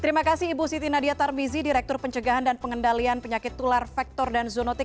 terima kasih ibu siti nadia tarmizi direktur pencegahan dan pengendalian penyakit tular vektor dan zoonotik